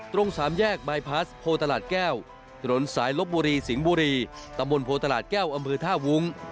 ตรงสามแยกบายพลาสโพตลาดแก้วถนนสายลบบุรีสิงห์บุรีตำบลโพตลาดแก้วอำเภอท่าวุ้ง